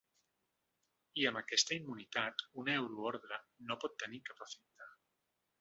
I amb aquesta immunitat, una euroordre no pot tenir cap efecte.